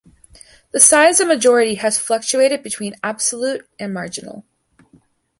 The size of majority has fluctuated between absolute and marginal.